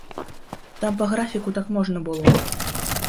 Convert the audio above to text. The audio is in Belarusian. Там па графіку так можна было.